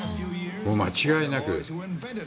間違いなく。